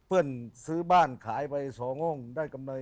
เพื่อนซื้อบ้านขายไป๒ห้องได้กำไร